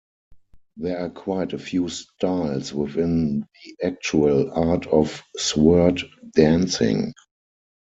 There are quite a few styles within the actual art of sword dancing.